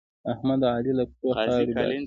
احمد د علي له پښو خاورې باسي.